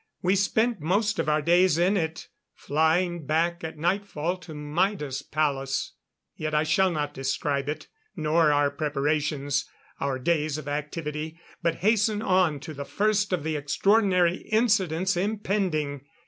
We spent most of our days in it, flying back at nightfall to Maida's palace. Yet I shall not describe it, nor our preparations, our days of activity but hasten on to the first of the extraordinary incidents impending.